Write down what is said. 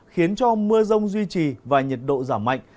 khiến cho mưa rông duy trì và nhiệt độ giảm mạnh